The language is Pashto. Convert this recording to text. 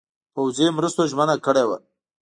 پوځي مرستو ژمنه کړې وه.